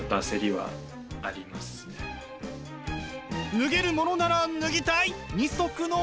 脱げるものなら脱ぎたい二足のわらじ。